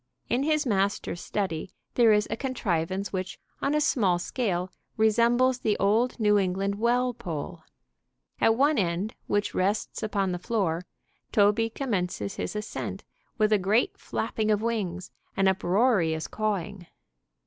In his master's study there is a contrivance which, on a small scale, resembles the old New England well pole. At one end, which rests upon the floor, Toby commences his ascent with a great flapping of wings and uproarious cawing.